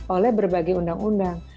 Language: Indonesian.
oleh berbagai undang undang